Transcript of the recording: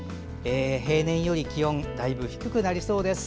平年より気温だいぶ低くなりそうです。